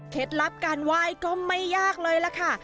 ลับการไหว้ก็ไม่ยากเลยล่ะค่ะ